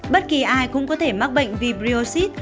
bất kỳ ai cũng có thể mắc bệnh vibrio xít